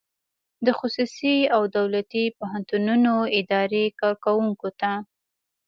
د خصوصي او دولتي پوهنتونونو اداري کارکوونکو ته